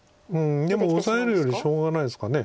でもオサえるよりしょうがないですか。